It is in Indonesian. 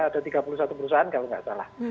ada tiga puluh satu perusahaan kalau nggak salah